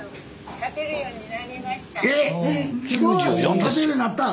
立てるようになったん？